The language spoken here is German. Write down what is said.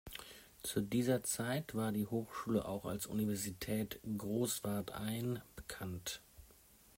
Zu dieser Zeit war die Hochschule auch als "Universität Großwardein" bekannt.